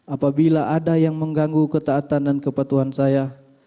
apabila ada yang mengganggu ketaatan dan kepatuhan saya